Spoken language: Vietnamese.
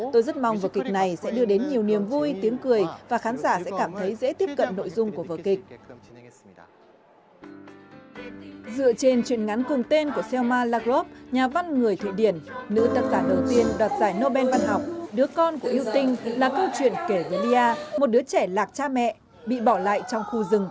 tôi rất mong vở kịch này sẽ đưa đến nhiều niềm vui tiếng cười và khán giả sẽ cảm thấy dễ tiếp cận